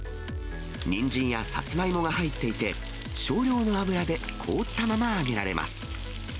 にんじんやさつまいもが入っていて、少量の油で凍ったまま揚げられます。